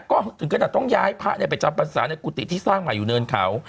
ก็ถึงขนาดต้องย้ายพระไปจำพรรษาในกุฏิที่สร้างใหม่อยู่เนินเขา